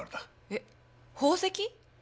えっ？宝石！？